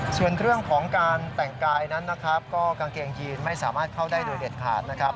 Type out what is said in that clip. ส่วนเรื่องของการแต่งกายนั้นนะครับก็กางเกงยีนไม่สามารถเข้าได้โดยเด็ดขาดนะครับ